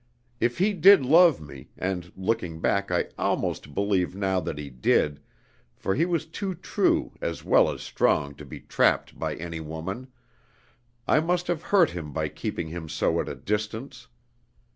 If he did love me and looking back I almost believe now that he did, for he was too true as well as strong to be 'trapped' by any woman I must have hurt him by keeping him so at a distance.